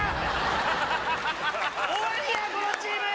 終わりやこのチーム！